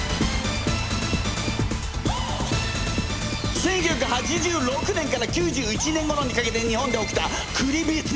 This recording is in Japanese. １９８６年から９１年ごろにかけて日本で起きたクリビツ！